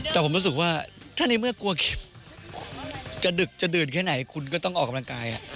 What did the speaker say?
แต่ผมรู้สึกว่าถ้าในเมื่อกลัวจะดึกจะดื่นแค่ไหนคุณก็ต้องออกกำลังกาย